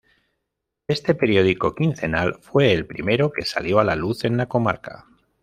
Este periódico quincenal fue el primero que salió a la luz en la comarca.